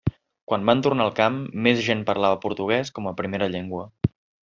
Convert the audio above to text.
Quan van tornar al camp, més gent parlava portuguès com a primera llengua.